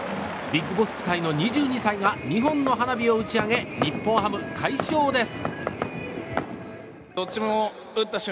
ＢＩＧＢＯＳＳ期待の２２歳が２本の花火を打ち上げ日本ハム、快勝です。